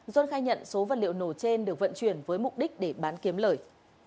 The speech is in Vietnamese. xuân khai nhận số vật liệu nổ trên được vận chuyển với mục đích để bán kiếm lợi